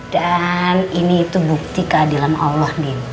dan ini tuh bukti keadilan allah din